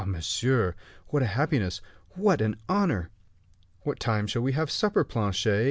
monsieur, what a happiness! what an honor!" "What time shall we have supper, Planchet?"